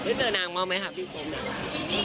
ได้เจอนางมากมั้ยค่ะพี่โป๊บเนี่ย